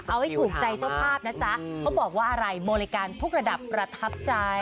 เอาให้ถูกใจเจ้าภาพนะจ๊ะเขาบอกว่าอะไรบริการทุกระดับประทับใจ